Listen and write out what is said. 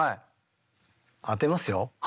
当てますよ？